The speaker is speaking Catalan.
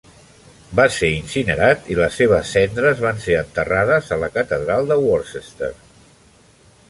Va ser incinerat i les seves cendres van ser enterrades a la catedral de Worcester.